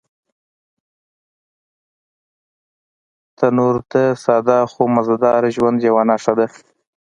تنور د ساده خو مزيدار ژوند یوه نښه ده